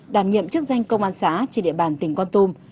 đảm nhiệm chức danh công an xã trên địa bàn tỉnh con tum